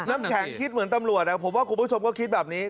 น้ำแข็งคิดเหมือนตำรวจผมว่าคุณผู้ชมก็คิดแบบนี้